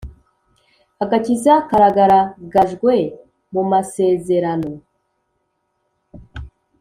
agakiza karagaragajwe mumasezerano